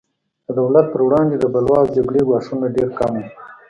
د دولت پر وړاندې د بلوا او جګړې ګواښونه ډېر کم وو.